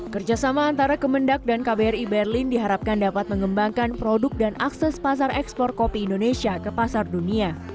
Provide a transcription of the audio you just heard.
kerjasama antara kemendak dan kbri berlin diharapkan dapat mengembangkan produk dan akses pasar ekspor kopi indonesia ke pasar dunia